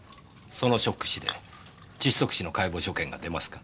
ショック死で窒息死の解剖所見が出ますか？